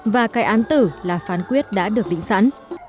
và cái án tử là phán quyết đã được định sẵn